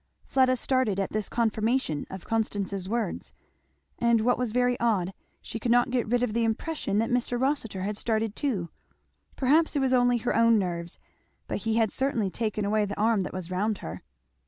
Fleda started at this confirmation of Constance's words; and what was very odd, she could not get rid of the impression that Mr. Rossitur had started too. Perhaps it was only her own nerves, but he had certainly taken away the arm that was round her.